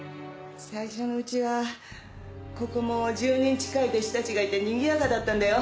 最初のうちはここも１０人近い弟子たちがいてにぎやかだったんだよ。